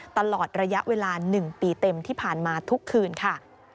ตลอดระยะเวลา๑ปีเต็มที่ผ่านมาทุกคืนค่ะ